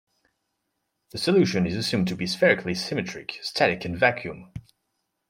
The solution is assumed to be spherically symmetric, static and vacuum.